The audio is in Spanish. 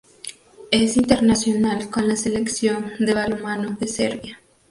Es internacional con la Selección de balonmano de Serbia.